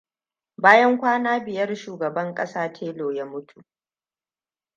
Bayan kwana biyar Shugaban ƙasa Taylor ya mutu.